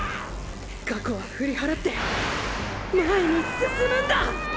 過去は振り払って前に進むんだ！